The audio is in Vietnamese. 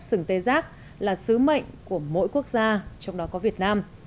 sừng tê giác là sứ mệnh của mỗi quốc gia trong đó có việt nam